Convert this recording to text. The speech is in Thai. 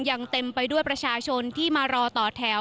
ยังเต็มไปด้วยประชาชนที่มารอต่อแถว